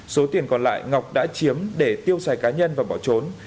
số tiền còn lại ngọc đã chiếm để tiêu xài cá nhân và bỏ trốn